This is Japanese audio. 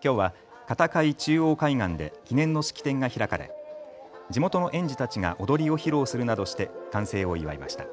きょうは片貝中央海岸で記念の式典が開かれ地元の園児たちが踊りを披露するなどして完成を祝いました。